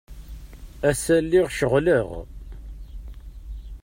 Ass-a lliɣ ceɣleɣ.